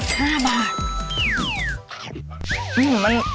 กะเพราทอดไว้